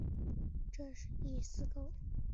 这一构思是由包括德国铁路在内的业界所提供。